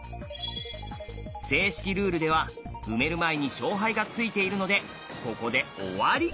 正式ルールでは埋める前に勝敗がついているのでここで終わり。